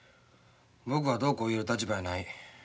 僕はどうこう言える立場やない。